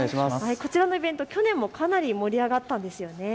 こちらのイベント、去年もかなり盛り上がったんですよね。